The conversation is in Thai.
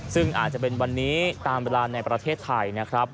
ซึ่งอาจจะเป็นวันนี้ตามเวลาในประเทศไทยนะครับ